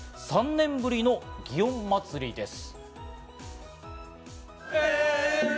３年ぶりの祇園祭です。